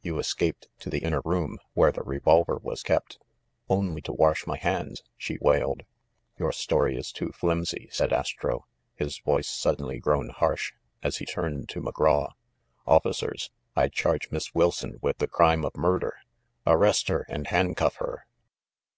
You escaped to the inner room — where the revolver was kept." "Only to wash my hands !" she wailed. "Your story is too flimsy," said Astro, his voice suddenly grown harsh, as he turned to McGraw. "Offi cers, I charge Miss Wilson with the crime of mur der ! Arrest her and handcuff her